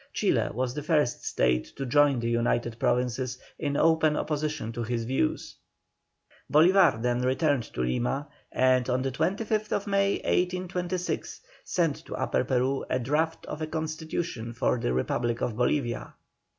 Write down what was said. Chile was the first state to join the United Provinces in open opposition to his views. Bolívar then returned to Lima, and on the 25th May, 1826, sent to Upper Peru a draft of a constitution for the REPUBLIC OF BOLIVIA.